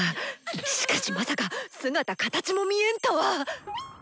しかしまさか姿形も見えんとは！